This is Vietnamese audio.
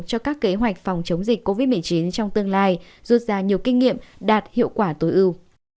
cho các kế hoạch phòng chống dịch covid một mươi chín trong tương lai rút ra nhiều kinh nghiệm đạt hiệu quả tối ưu